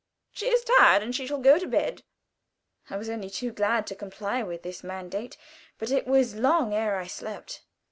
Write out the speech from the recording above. She is tired, and shall go to bed." I was only too glad to comply with this mandate, but it was long ere I slept.